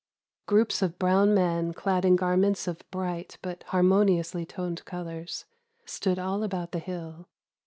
Groups of brown men, clad in garments of bright but harmoniously toned colours, stood all about the hill.